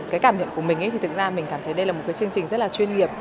cái cảm nhận của mình thì thực ra mình cảm thấy đây là một cái chương trình rất là chuyên nghiệp